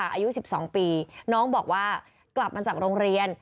อายุ๑๒ปีน้องบอกว่ากลับมาจากโรงเรียน